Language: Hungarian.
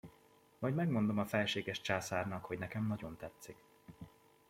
Majd megmondom a felséges császárnak, hogy nekem nagyon tetszik.